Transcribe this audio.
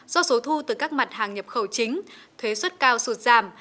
do số thu từ các mặt hàng nhập khẩu chính thuế xuất cao sụt giảm